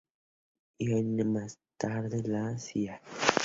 Y un año más tarde la Cía.